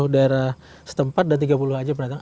tujuh puluh daerah setempat dan tiga puluh aja yang datang